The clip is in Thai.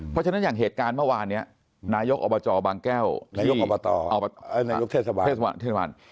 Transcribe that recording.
เพราะฉะนั้นอย่างเหตุการณ์เมื่อวานนี้นายกอบจบางแก้วนายกอบตนายกเทศบาล